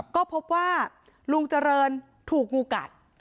ก็พบว่าลุงเจริญถูกงูกัด